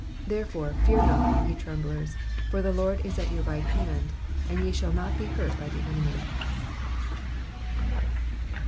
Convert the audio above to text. Therefore, fear not, ye tremblers ; for the Lord is at your right hand, and ye shall not be hurt of the enemy.